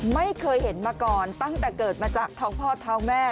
ไม่เคยเห็นมาก่อนตั้งแต่เกิดมาจากท้องพ่อท้องแม่